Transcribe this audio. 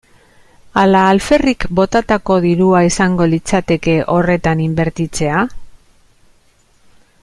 Ala alferrik botatako dirua izango litzateke horretan inbertitzea?